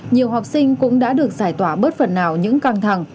nhiều học sinh cũng đã được giải tỏa bớt phần nào những căng thẳng